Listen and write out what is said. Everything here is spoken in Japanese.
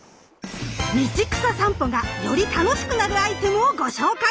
道草さんぽがより楽しくなるアイテムをご紹介！